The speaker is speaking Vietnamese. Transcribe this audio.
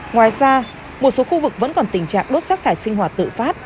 ngoài ra một số khu vực vẫn còn tình trạng đốt sát thải sinh hòa tự phát